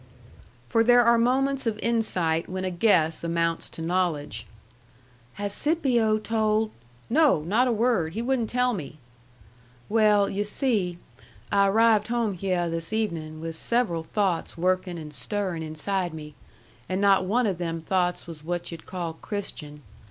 For there are moments of insight when a guess amounts to knowledge. "Has Scipio told " "No. Not a word. He wouldn't tell me." "Well, yu' see, I arrived home hyeh this evenin' with several thoughts workin' and stirrin' inside me. And not one o' them thoughts was what yu'd call Christian.